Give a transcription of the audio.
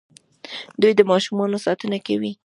دوی د ماشومانو ساتنه کوي.